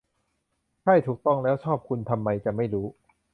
ใช่ ถูกต้องแล้ว ชอบคุณทำไมจะไม่รู้